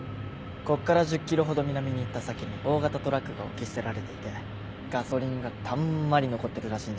こっから１０ｋｍほど南に行った先に大型トラックが置き捨てられていてガソリンがたんまり残ってるらしいんだ。